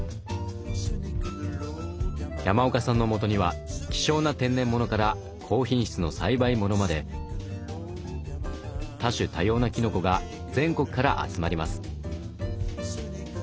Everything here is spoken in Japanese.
山岡さんのもとには希少な天然ものから高品質の栽培ものまで多種多様なきのこが全国から集まります。